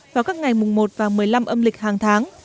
vào các ngày mùng một và một mươi năm âm lịch hàng tháng